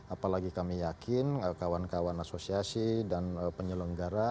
apalagi kami yakin kawan kawan asosiasi dan penyelenggara